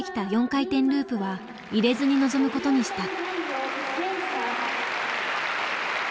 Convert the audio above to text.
４回転ループは入れずに臨むことにした。